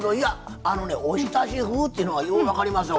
おひたし風ってのがよう分かりますわ。